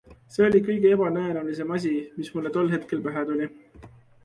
See oli kõige ebatõenäolisem asi, mis mulle tol hetkel pähe tuli.